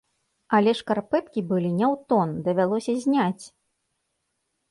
Але шкарпэткі былі не ў тон, давялося зняць!